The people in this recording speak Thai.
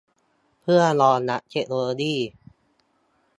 เพื่อรองรับเทคโนโลยี